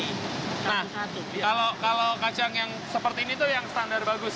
nah kalau kacang yang seperti ini tuh yang standar bagus